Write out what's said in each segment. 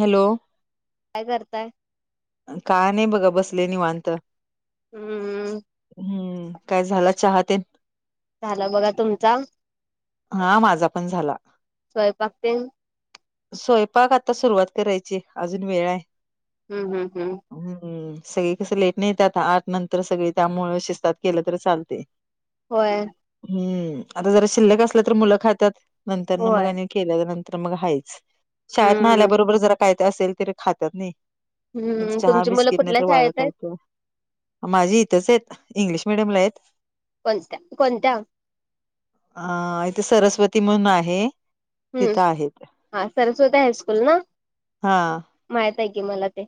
Hello काय करताय का नाही बघा बसले निवांत हम्म हम्म काय झाला चाहते झालं बघा तुमचा हा माझा पण झाला स्वयंपाक तेन? स्वयंपाक आता सुरुवात करायची अजून वेळ आहे हम्म हम् हम् हम्म सगळी कसं लेट नाहीेतात आठ नंतर सगळी त्यामु शिस्तात केलं तर चालते होय हम्म आता जरा शिल्लक असल्या तर मुलं खातात नंतर ना मग होय आणि के नंतर मगाच शाळेत न हम्म आल्याबरोबर जरा काय तर असेल तरी खातात नाही हम्म हम्म चहा तुमची मुलं बिस्किट नाही कुठल्या तर शाळेत आहेत? वाळकायचं माझी इथंच आहेत इंग्लिश मिीडियम ला आहेत कोणत्या कोणत्या अ इथे सरस्वती म्हण आहे हम्म तिथं आहेत हा सरस्वती हायस्कूल ना हा माहित आहे की मला ते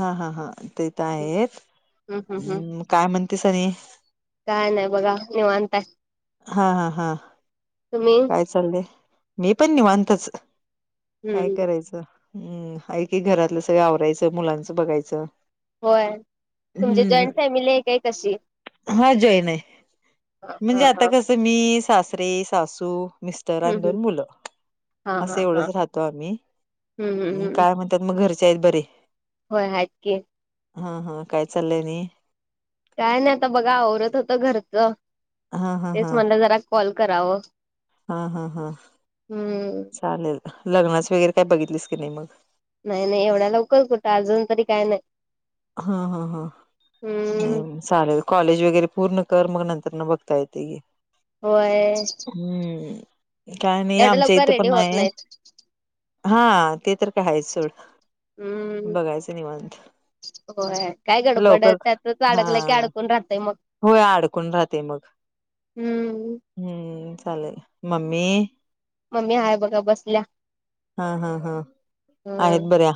हा हा हा ते तर हम्म हम्म हम्म आहेतम् काय म्हणते सनी काय नाही बघा निवताय हा हा हा काय चाललय मी पण निवांतच काय हम्म करायचं हम् ऐ की घरातलं सगळ आवरायचं मुलांचं बघायचं होय तुमची जॉईंट हम्म फॅमिली आहे काय कशी हा जय हा हा म्हणजे हा आता कस मी सरे सासू मि तर हम्म आणि हम्म दोन मुलं हा अस हा हा एवढच राहतो आम्ही हम्म हम्म हम्म काय म्हण मग घरच्या आहेत बर होय आहेत क हा हा काय चाललंय नाही काय नाही आता बघा आवरत होत घरच हा हा तेच हा म्हटलं जरा कॉल करावं हा हा हा हम्म चालेल लग्नाच वगैरे काय बघितलीस की नाही मग नाही नाही एवढ्या लवकरच कुठं अजून तरी काय नाही हा हा हा हम्म नाही चाले कॉलेज वगैरे पूर्ण कर मग नंतर न बघता येते होय हम्म काय नाही एवढ्या आमच्या लवकर इथे रेडी पण होत आहे. नाहीत हा ते तर काय हायच सोड हम्म बघायचं निवांत होय काय गडबड लवकर त्यातच हा अडकलं की अडकून राहतय मग होय अडकून राहते मग हम्म हम्म चालेल मम्मी मम्मी हाय बघा बसलीया हा हा हा हम्म आहेत बऱ्या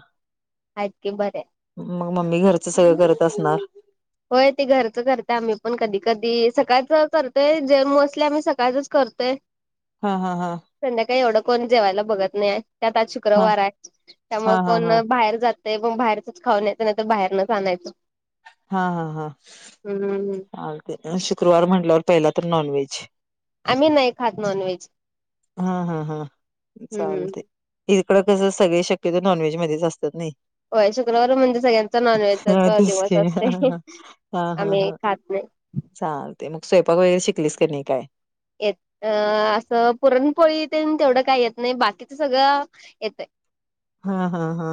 हाईत की बरे मग मम्मी घरच सगळं करत असणार होय ते घरचं करतेय आम्ही पण कधी कधी सकाळच करतोय जेम मोसली आम्ही सकाळचच करतोय. [inaudible] हा हा हा. संध्याकाळी एवढं कोण जेवायला बघत नाही त्यात आज हा शुक्रवार आहे हा त्यामूळ हा कोण हा बाहेर जात ते मग बाहेरच खाऊनचं नाही तरर बाहेरनच आणायचं. हा हा हा. हम्म हम हा ते शुक्रवार म्हटल्यावर पहिला तर नॉन व्हेज आम्ही नाही खात नॉनव्हेज हा हा हा हम्म चालतय इकडं कसं सगळे शक्यतो नॉनव्हेज मध्येच असतात नाही. होय शुक्रवार म्हणजे सगळ्यांचा हा नॉनव्हेजचा तेच दिवस की हा असतोय. हा आम्ही खात नाही. चालतय मग स्वयंपाक वगैरे शिकलीस की नाही काय येत अ असं पुरणपोळी तेन तेवढं काही येत नाही बाकीचं सगळं येत हा हा हा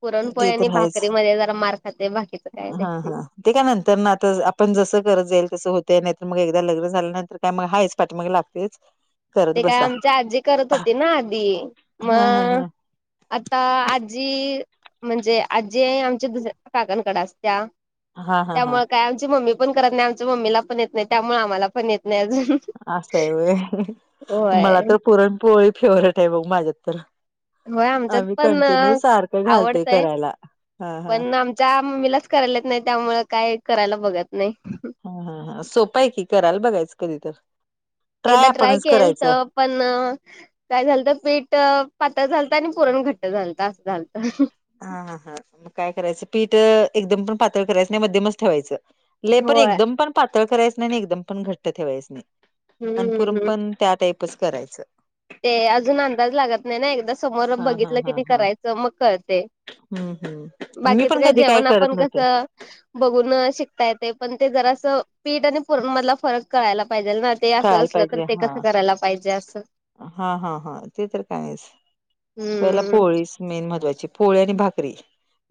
पुरणपोळी ते आणि तर आहेच भाकरीमध्ये जरा मार खातय बाकीच काय हा नाही. हा ते काय नंतरन आता आपण जसं करत जाईल तसं होतय नाहीतर मग एकदा लग्न झाल्यानंतर काय मग हायच पाठी माग लागतय. [inaudible] ते काय आमच्या आजी करत होती ना आधी हा हा मग आता आजी म्हणजे आजी आमच्या दुसऱ्या काकांकडे असतीया हा हा हा हा त्यामुळ काय आमची मम्मी पण करत नाही आमच्या मम्मीला पण येत नाही त्यामुळे आम्हाला पण येत नाही अजून असं आहे होय मला होय तर पुरणपोळी फेवरेट आहे बघ माझ्यात तर होय आमच्यात आम्ही पण कंटिन्यू सारखं घालतेय करायला हा हा. त्या मम्मीलाच करायला येत नाही त्यामुळ काय करायला बघत नाही. ह हा ह सोप आहे की कराल बघायचं कधी तर ट्राय एकदा आपणच केल करायचं. तर पण काय झालत पीठ पातळ झालतं आणि पुरण घट्ट झालतं असं झालतं. हा हा हा मग काय करायचं पीठ एकदम पण पातळ करायचं नाही मध्यमच ठेवायचं. ले पण होय एकदम पण पातळ करायचं नाही आणि एकदम पण घट्ट ठेवायचं नाही अन पूरन हम्म पण त्या टाईपच करायचं. ते अजून अंदाज लागत नाही ना एकदा समोर हा हा बघितलं की हा नाही हा करायचं मग कळतय. हम्म हम्म मी पण कधी काय करत आपण न्हवते. कसं बघून शिकता येते पण ते जरासं पीठ आणि पुरणमधला फरक करायला पाहिजे ना ते असं कळायला असलं तर पाहिजे ते हा. कसं करायला पाहिजे असं हा हा हा ते तर कायच हम्म त्याला पोळी मेन महत्वाची पोळी आणि भाकरी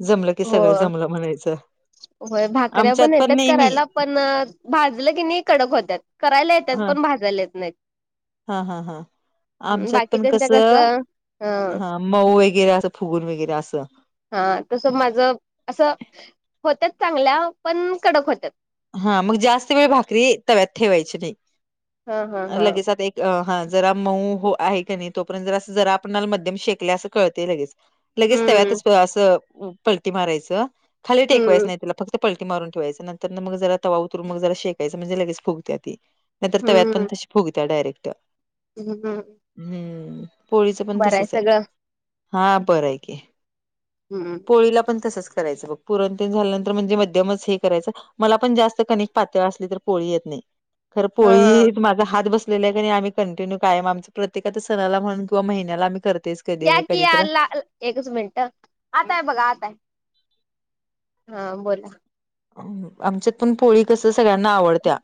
जमलं की सगळं हो जमलं म्हणायचं. [inaudible] होय भाकऱ्या आमच्यात पण येतात नेहमी करायला पण भाजलं की नाही कडक होतात करायला येतात ह पण भाजालेेत नाहीत हा हा हा आमच्यात पण बाकीच्यांच्या कसं ह हा मऊ वगैरे असं फुगून वगैरे असं हा तसं माझ असं होतात चांगल्या पण कडक होतात हा मग जास्त वेळ भाकरी तव्यात ठेवायची नाही हा हा हा लगेच आता एक अ हा जरा मऊ हो आहे का नाही तोपर्यंत जरा अस जरा आपणला मध्यम शेकले असं कळतेय लगेच लगेच हम्म तव्यातच असं पलटी मारायचं खाली टेकवायचं हम्म नाही फक्त पलटीारून ठेयं नंतर न मग जरा तवा उतरून मग जरा शेकायचं म्हणजे लगचुगते ती नाहीतर त व्यात हम्म पण तशी फगत्या डायरेक्ट हम्म हम हम्म पोळीचं पण तसच आहे सगळं हा बरं आहे की हम्म पोळीला पण तसंच करायचं ब पुरणतेन झाल्यानंतर म्हणजे मध्यमच हे करायचं मला पण जास्त कनिक पातळ असली तर पोळी येत नाही खर हा पोळी माझा हात बस आपल्या आम्ही कंटिन्यू कायम आमच प्रत्यक आ सणाला म्हण किंवा महिन्याला आमही करतेच कधी या नाही की कधी तर या ला एकच मिनट आताय बघा आताय हा बोला आमच्यात पण पोळी कस सगळ्यांना आवडत्या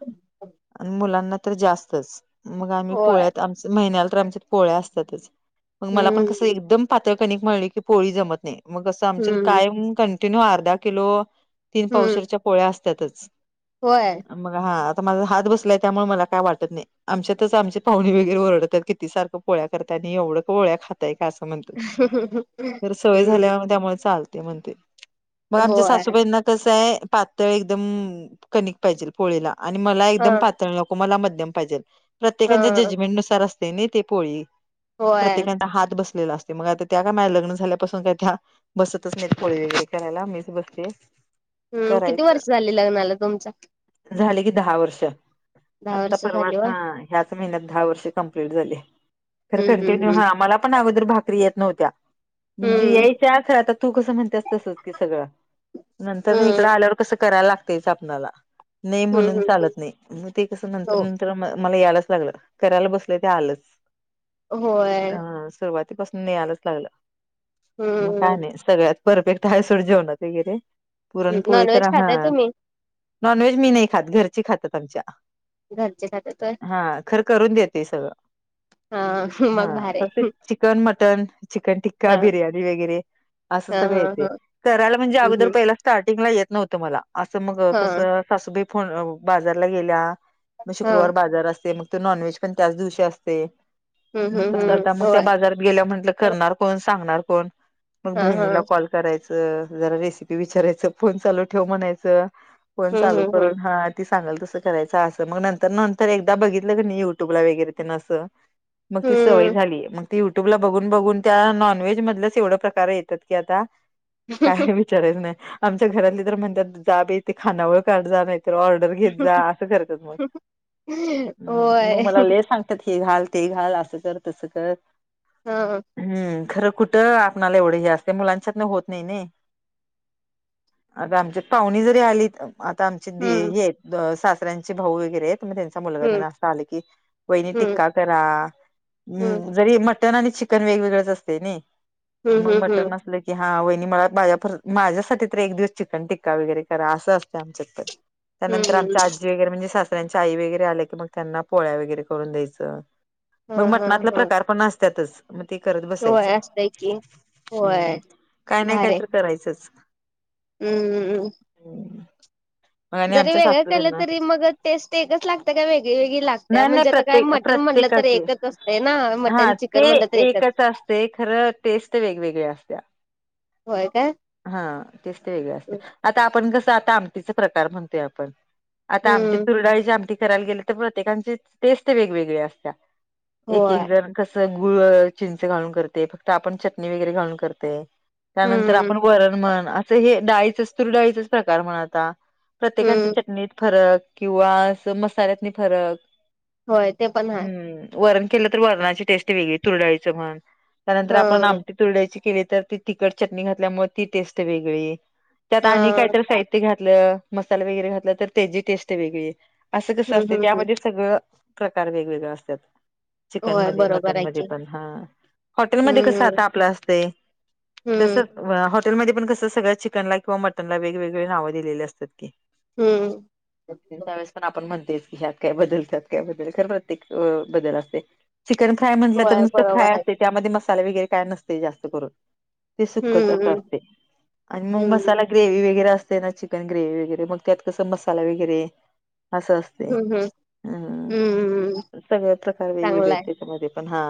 आणि मुलांना तर जास्तच मग आम्ही होय पोळ्यात आम महिन्याला तर आमच्यात पोळ्या असतातच. मग मला पण कसं हम्म एकदम पातळ कणिक म्हणले की पोळी जमत नाही मग कं आमच्या हम्म कायम किलो अर्धा किलो तीन हम्म पवशरच्या पोळ्या असतातच. होय. मग हा आता माझा हात बसलाय त्यामुळे मला काय वाटत नाही. आमच्यातच आमचे पाहुणे वगरे ओरडतात किती सारखं पोळ्या करतात आणि एवढं पोळ्या खाता ताय असं म्हणतात तर सवय हम्म झाल्या त्यामुळे चालते म्हणते. मग आमच्या होय सासूबाईंना कसं आहे पातळ एकदम कनिक पाहिजे पोळीला. आणि मला हा एकदम पातळ नको मला मध्यम पाहिजेल हा प्रत्येकच्या जजमेंट नुसार अस नाही ते पोळी होय प्रत्येकाचा हात बसलेला अस मग आता त्या का माझ लग्न झाल्यापासून काय त्या बसतच नाही पोळी वगैरे करायला मीच बसते. हम्म किती करायचं. वर्ष झाले लग्नाला तुमचा. झाले की दहा वर्ष दहा आता वर्ष परवाच झाली होय हा ह्याच महिन्यात दहा वर्षे कम्प्लीट झाली तर हम्म कंटिन्यू हम्म हा मला पण अगोदर भाकरी येत नव्हत्या म्हणजे हम्म यायच्या खर आता तू कसं म्हणतेस तसच की सगळं. तर इकडं हम्म आल्यावर कसं करायला लागतेच आपणाला नाही हम्म म्हणून हम्म हम्म चालत नाही मग ते कसं हो नंतर तर मला यायलाच लागलं करायला बसल ते आलंच होय अ सुरवात पासून नि आलाच लागलं मग काय हम्म नाही सगळ्यात परफेट हायसोड जेवणत वगैरे. पुरणपोळी तर नॉनव्हेज हा खाताय तुम्ही नॉनव्हेज मी नाही खात घरची खातात आमच्या. घरच्यासाठी तर. हा खरं करून देते सगळं. हम्म हा फक्त चिकन मटन चिकन हा टिक्का बिर्याणी वगैरे. असं हा सगळं हा येते हा करायला म्हणजे अगोदर हम्म पहिला स्टार्टिंगला येत नव्हतं मला असं मग हा कस सासूबाई फ बाजारला गेल्या मग हा शुक्रवार बाजार असते मग तो नॉन व्हेज पण त्याच दिवशी असते. हम्म मग हम्म कस हम्म आता मग त्या होय बाजार गेल्या म्हंटलं करणार कोण सांगणार कोण मग हा हा बहिणीला हम्म कॉल करायचं जरा रेसिपी विचारायचं फोन चालू ठेव म्हणायचं. फोन चालू करून हा. ती सांगाल तसं करायच असं मग नंतर नंतर एकदा बघितलं क युट्यूब ला वगैरे त्यांना असं मग ती सवय हम्म झालीय मग युट्यूब ला बघून बघून त्या नॉनव्हेज मधल्याच एवढं प्रकार येतात की आता काय हम्म हम्म आमच्या घरातली तर म्हणतात जा बाई खानावळ काढ जा नाहीतर ऑर्ड र घेत जा मग आस करत्यात मग होय मला लई सांग त्यात हे घाल ते घाल असं कर तसं कर. हा हा. हम् खरं कुठं आपणाला एवढे हे असते मुलांच्यात ना होत नाही नाही. आता आमच्या पाहुणी जरी आलीत आता आमचे हम्म हे सासऱ्यांचे भाऊ वगैरे आहेत. तत्यांचा मुलगा टेन हम्म असं आले की वाहिनी हम्म टिक्का तर हा हम्म जरी मटन आणि चिकन वेगवेगळंच असते नई हम्म मग हम्म हम्म मटन नसलं की हा वहिणी मला माझ्या माझ्या एक दिवस चिकन टिक्का वगैरे करा असं असत आमच्या त्यानंतर हम्म आमचीजी वगैरे म्हणजे दुसऱ्यांच्या आई वगैरे आले की मग त्यांना पोळ्या वगैरे करून द्यायचं. हा मग हा मटणातला हा प्रकार पण असतातच. मग ते करत होय बसायचं असतय की हम्म होय काय नाही काय तर करायचंच हम्ममम होम् जरी वेगळं केलं तरी मग टेस्ट एकच लागते का वेगळी वेगळी लागते नाही नाही म्हणजे आता काय म प्रत्येक मटन म्हटलं तर प्रत्येकाचे एकच असत ना हा मटन चिकन ते म्हटलं तर एकच असते खरं टेस्ट वेगवेगळी असत्या होय का हा तेच ते वेगळे असते आता आपण कसं आता आमटीचा प्रकार म्हणतोय आपण आता आमटी हम्म चुरडाळीची आमटी करायला गेले तर प्रत्येकांची टेस्ट वेगवेगळे असत्या एक होय एक जण कसं गुळ चिंच घालून करते फक्त आपण चटणी वगैरे घालून करते त्यानंतर हम्म आपण वरण म्हण असं हे डाळीचं स्तुर डाळीचच प्रकार म्हण आता प्रत्येकांच्या हम्म चटणीत फरक किंवा मसाल्यातनी फरक होय ते पण हाय हम्म वरण केलं तर वरणाची टेस्ट वेगळी तुरडाळीच म्हण ह त्यानंतर आपण आमटी तुरड्याची केली तर ती तिखट चटणी घातल्यामुळे ती टेस्ट वेगळी त्यात ह आणि कायत साहित्य घातलं मसाले वगैरे घातलं तर त्याची टेस्ट वेगळी असं कसं हम्म असते हम्म हम्म त्यामध्ये सगळं प्रकार वेगवेगळं असतात चिकन होय मध्ये बरोबर मटन आहे मध्ये की पण हा हॉटेलमध्ये कसं हम्म आता आपल्या हस्ते हम्म तसं हॉटेलमध्ये पण कस सगळ्या चिकनला किंवा मटनला वेगवेगळे नाव दिलेली असतात की हम्म ती त्या वेळेस पण आपण म्हणतेच की ह्यात काय बदलतत काय बदल खरं प्रत्येक बदल असते चिकन फ्राय म्हटलं तर होय नुसत फ्राय बरोबर आहे असते त्यामध्ये मसाले वगैरे काय नसते जास्त करून ते सुखच हम्म असं हम्म असते आणि मग हम्म मसाला ग्रे्ही वगैे असते ना चिकन ग्रेव् वगैरे मग त्यात कसं मसाला वगैरे असं असते हम्म हम्म हम् हम्म सगळ प्रकार वेगवेगळे चांगलाय आहेत त्याच्यामध्ये पण हा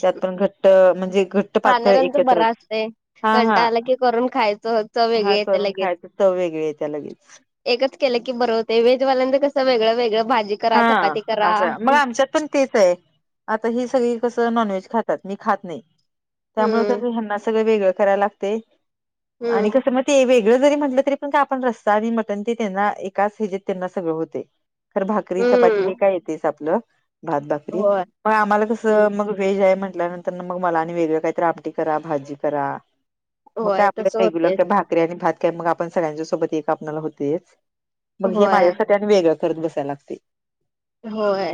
त्यात पण घट्ट म्हणजे घट्ट पातळ खाणाऱ्यांचं एकत्रच बरं असतंय. हा हा कंटाळा आला की करून खायचं होत हा करून खायच तर वेगळी आहे त्या लगेच एकच केलं की बरं होते वेजवाल्यांच कस वेगळं वेगळं भाजी करा, हा चपाती करा. असं मग आमच्यात पण तेच आहे आता ही सगळी कसं नॉनव्हेज खातात मी खात नाही त्यामुळे हम्म कस हना सगळं वेगळं करायला लागते आणि हम्म कसं म ते वेगळं जरी म्हटलं तरी पण का आपण रस्ता आणि मटण ते त्यांना एकाच हेजेत त्यांना सगळं होते खरं [unintelligible] भाकरी चाती हम्म हे काय येते आपलं भात भाकरी होय मग आम्हाला कस मग व्हेज आहे म्हटल्यानंतर मग मला आणि वेगळ काही त्रापटी करा भाजी करा मग का होय तसं आपल्या रेग्युलर होतेच. काय भाकरी आणि भात का मग आपण सगळ्यांच्या सोबत एक आपला होतेच मग हे होय माझ्यासाठी आणि वेगळं करत बसायला लागते होय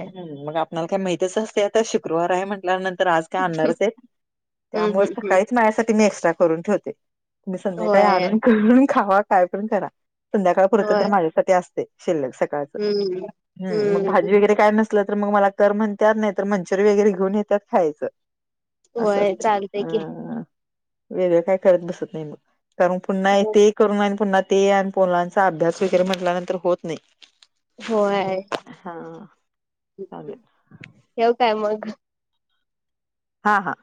मग आपल्याला काही माहतीच असते आता शुक्रवार आहे म्हटल्यानंतर आज का आणणारच आहे हम्म त्यामुळे हम्म हम्म सकाळीच माझ्यासाठी मी एक्स्ट्रा करून ठेवते तुम्ही संध्याकाळी होय आणून करून खावा काय करण करा संध्याकाळ परत तर होय माझ्या असते शिल्लक सकाळ हम्म हम् मग हम्म भाजी वगैरे काय नसल तर मग मला तर म्हणतत नाही तर मंचुरी वगरेऊन येतात खायचं असं होय असते चालतंय अ की वेगळं काय करत बसत नाही मग कारण पुन्हा ते करून पुन्हा ते आणि पलांचा अभ्यास वगैरे म्हटल्यानंतर होत नाही होय हा चालेल ठेव काय मग हा हा